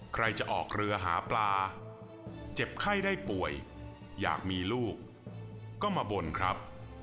ใครจะออกเรือหาปลาเจ็บไข้ได้ป่วยอยากมีลูกก็มาบ่นครับ